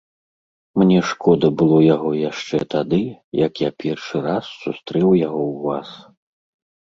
Мне шкода было яго яшчэ тады, як я першы раз сустрэў яго ў вас.